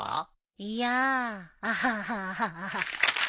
いやあアハハハ。